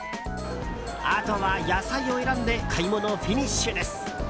あとは野菜を選んで買い物フィニッシュです。